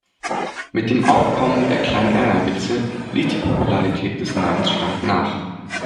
Mit dem Aufkommen der Klein-Erna-Witze ließ die Popularität des Namens stark nach.